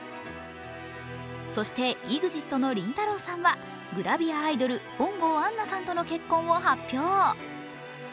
そしてＥＸＩＴのりんたろーさんはグラビアアイドル、本郷杏奈さんとの結婚を発表。